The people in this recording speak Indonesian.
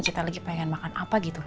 kita lagi pengen makan apa gitu